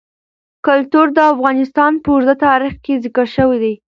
کلتور د افغانستان په اوږده تاریخ کې ذکر شوی دی.